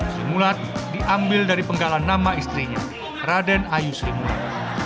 seri mulat diambil dari penggalan nama istrinya raden ayu seri mulat